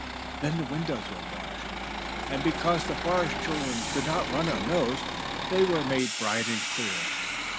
Then the windows were washed. And because the Forest Children could not run on those they were made bright and clear.